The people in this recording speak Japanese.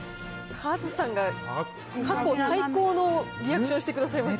カズさんが過去最高のリアクションしてくださいました。